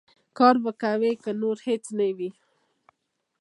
کار به کوې، که نور هېڅ نه وي.